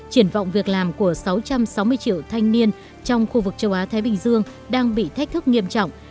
triển vọng việc làm của sáu trăm sáu mươi triệu thanh niên trong khu vực châu á thái bình dương đang bị thách thức nghiêm trọng